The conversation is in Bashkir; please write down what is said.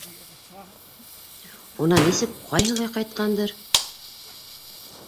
Унан нисек, ҡайһылай ҡайтҡандыр...